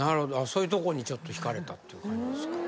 そういうとこに引かれたっていう感じですか。